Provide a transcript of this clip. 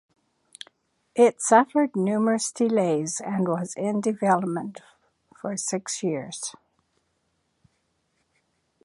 It suffered numerous delays, and was in development for six years.